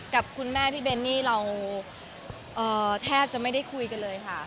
กับคุณแม่พี่เบนนี่เราแทบจะไม่ได้คุยกันเลยค่ะ